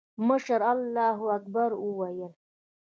مشر الله اکبر وويل.